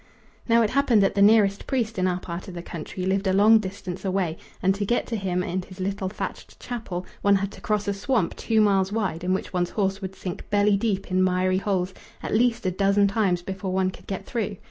Now it happened that the nearest priest in our part of the country lived a long distance away, and to get to him and his little thatched chapel one had to cross a swamp two miles wide in which one's horse would sink belly deep in miry holes at least a dozen times before one could get through.